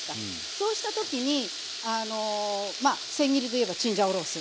そうした時にまあせん切りといえばチンジャオロースー。